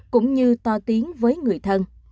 cũng như to tiếng với người thân